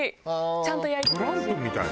ちゃんと焼いてほしい。